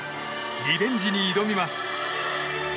リベンジに挑みます。